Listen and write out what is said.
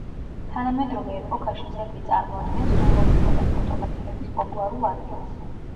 თანამედროვე ეპოქაში ძეგლი წარმოადგენს სტუმრობისა და ფოტოგრაფირების პოპულარულ ადგილს.